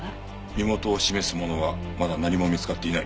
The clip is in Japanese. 身元を示すものはまだ何も見つかっていない。